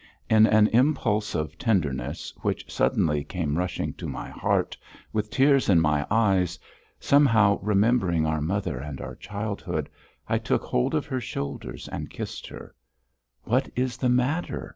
In an impulse of tenderness, which suddenly came rushing to my heart, with tears in my eyes, somehow remembering our mother and our childhood, I took hold of her shoulders and kissed her. "What is the matter?"